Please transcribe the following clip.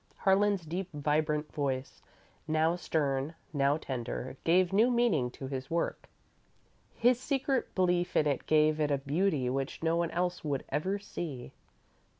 Harlan's deep, vibrant voice, now stern, now tender, gave new meaning to his work. His secret belief in it gave it a beauty which no one else would ever see.